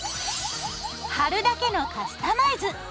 貼るだけのカスタマイズ！